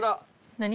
「何？」